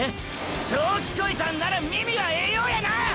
そう聞こえたんなら耳はええようやな！！